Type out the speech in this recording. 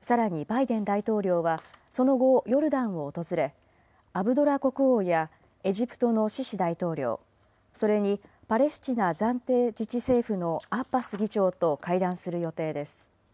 さらにバイデン大統領はその後、ヨルダンを訪れ、アブドラ国王やエジプトのシシ大統領、それにパレスチナ暫定自治政府のアッバス議長と会談する予定です。